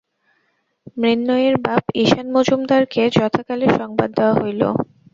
মৃন্ময়ীর বাপ ঈশান মজুমদারকে যথাকালে সংবাদ দেওয়া হইল।